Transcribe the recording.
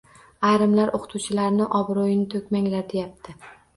Ayrimlar - oʻqituvchilarni obroʻyini toʻkmanglar deyapti.